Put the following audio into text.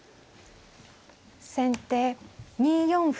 先手２四歩。